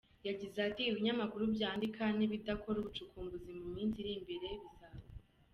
Yagize ati “Ibinyamakuru byandika nibidakora ubucukumbuzi mu minsi iri imbere bizapfa.